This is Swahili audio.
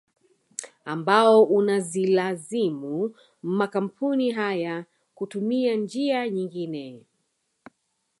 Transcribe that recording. Ambao unazilazimu makampuni haya kutumia njia nyingine